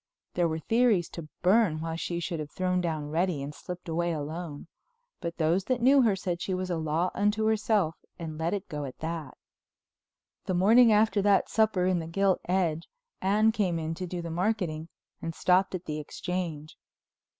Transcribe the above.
There were theories to burn why she should have thrown down Reddy and slipped away alone, but those that knew her said she was a law unto herself and let it go at that. The morning after that supper in the Gilt Edge, Anne came in to do the marketing and stopped at the Exchange.